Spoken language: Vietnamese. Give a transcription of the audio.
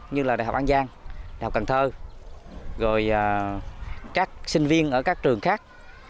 như là đại học an giang đại học cần thơ rồi các sinh viên ở các trường khác